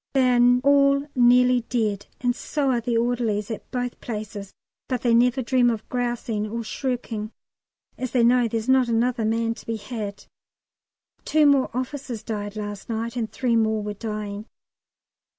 They are all nearly dead, and so are the orderlies at both places; but they never dream of grousing or shirking, as they know there's not another man to be had. Two more officers died last night, and three more were dying.